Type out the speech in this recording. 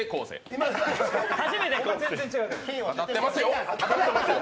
当たってますよ！